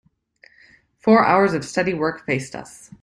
Four hours of steady work faced us.